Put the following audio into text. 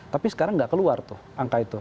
tapi sekarang nggak keluar tuh angka itu